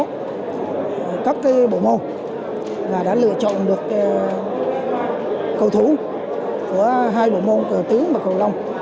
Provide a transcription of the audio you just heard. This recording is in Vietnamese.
các bộ môn và đã lựa chọn được cầu thủ của hai bộ môn cờ tướng và cờ lông